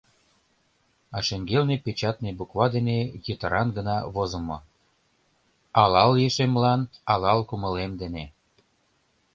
А шеҥгелне печатный буква дене йытыран гына возымо: «Алал ешемлан, алал кумылем дене.